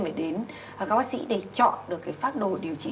các bác sĩ để chọn được cái phác đồ điều trị